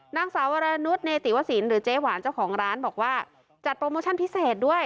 นางสาววรนุษย์เนติวสินหรือเจ๊หวานเจ้าของร้านบอกว่าจัดโปรโมชั่นพิเศษด้วย